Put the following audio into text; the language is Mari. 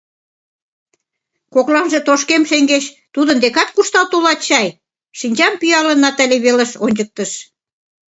— Кокланже тошкем шеҥгеч тудын декат куржтал толат чай? — шинчам пӱялын, Натали велыш ончыктыш.